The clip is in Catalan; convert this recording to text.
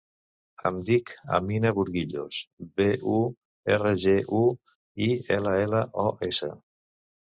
Em dic Amina Burguillos: be, u, erra, ge, u, i, ela, ela, o, essa.